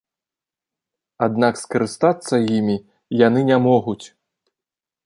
Аднак скарыстацца імі яны не могуць.